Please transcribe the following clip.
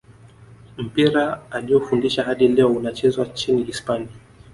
mpira alioufundisha hadi leo unachezwa nchini hispania